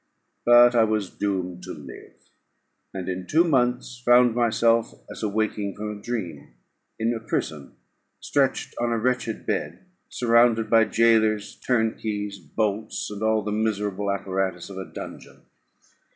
But I was doomed to live; and, in two months, found myself as awaking from a dream, in a prison, stretched on a wretched bed, surrounded by gaolers, turnkeys, bolts, and all the miserable apparatus of a dungeon.